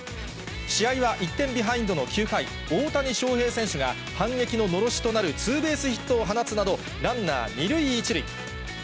試合は１点ビハインドの９回、大谷翔平選手が、反撃ののろしとなるツーベースヒットを放つなど、ランナー２塁１塁。